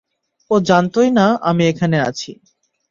ও জানতই না আমি এখানে আছি।